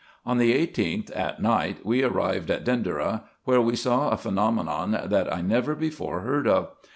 On the 18th, at night, we arrived at Dendera, where we saw a phenomenon that I never before heard of.